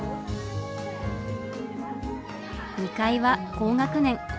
２階は高学年。